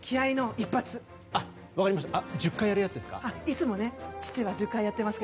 １０回やるやつですか。